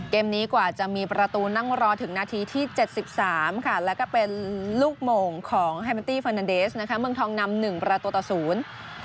เกมนี้กว่าจะมีประตูนั่งรอถึงนาทีที่เจ็ดสิบสามค่ะแล้วก็เป็นลูกโมงของไฮเมนตี้เฟอร์นาเดสนะคะเมืองทองนำหนึ่งประตูต่อศูนย์